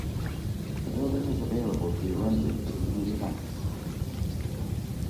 The building is available to be rented for evening events.